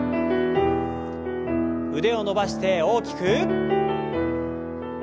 腕を伸ばして大きく。